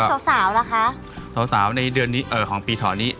สาวสาวล่ะคะสาวสาวในเดือนนี้เอ่อของปีเถอนี้